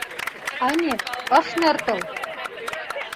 — Ане, ыш нӧртыл.